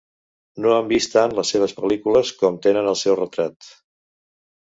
No han vist tant les seves pel·lícules com tenen el seu retrat.